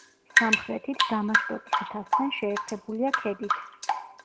სამხრეთით, დამაშტოკის მთასთან შეერთებულია ქედით.